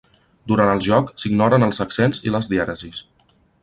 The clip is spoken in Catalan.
Durant el joc s'ignoren els accents i les dièresis.